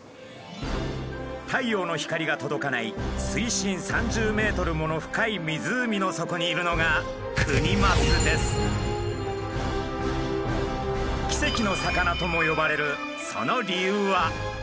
太陽の光が届かない水深３０ｍもの深い湖の底にいるのが奇跡の魚とも呼ばれるその理由は。